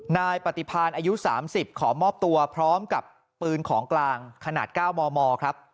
นายปฏิพาณอายุ๓๐ขอมอบตัวพร้อมกับปืนของกลางขนาด๙มมครับ